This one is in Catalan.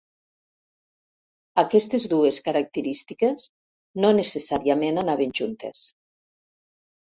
Aquestes dues característiques, no necessàriament anaven juntes.